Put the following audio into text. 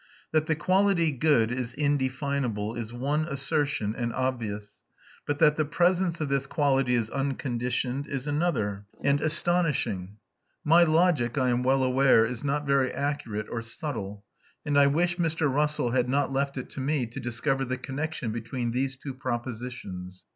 That the quality "good" is indefinable is one assertion, and obvious; but that the presence of this quality is unconditioned is another, and astonishing. My logic, I am well aware, is not very accurate or subtle; and I wish Mr. Russell had not left it to me to discover the connection between these two propositions.